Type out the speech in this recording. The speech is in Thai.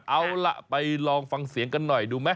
เอาล่ะไปลองฟังเสียงกันหน่อยดูไหม